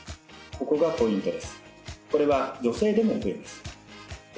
ここがポイントです